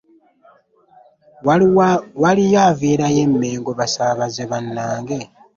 Waliwo aviirayo e Mengo basaabaze bannange?